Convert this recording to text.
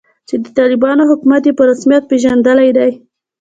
چې د طالبانو حکومت یې په رسمیت پیژندلی دی